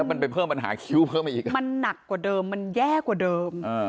แล้วมันไปเพิ่มปัญหาคิ้วเพิ่มมาอีกมันนักกว่าเดิมมันแย่กว่าเดิมอ่า